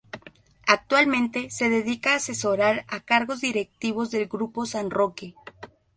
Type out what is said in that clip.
Actualmente, se dedica a asesorar a cargos directivos del grupo San Roque.